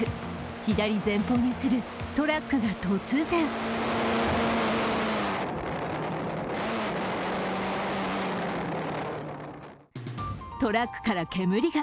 左前方に映るトラックが突然トラックから煙が。